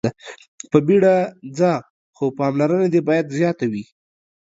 په بيړه ځه خو پاملرنه دې باید زياته وي.